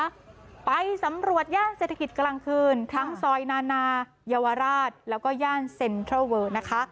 ไปสำรวจย่านเศรษฐกิจกลางคืนทั้งซอยนานายวราชแล้วก็ย่านเซ็นทรัลเวอร์นะคะ